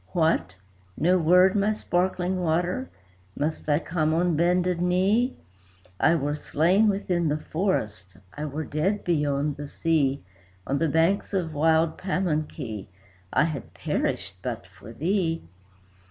"What! no word, my Sparkling Water? must I come on bended knee? I were slain within the forest, I were dead beyond the sea; On the banks of wild Pamunkey, I had perished but for thee.